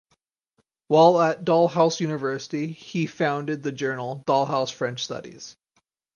While at Dalhousie University he founded the journal "Dalhousie French Studies".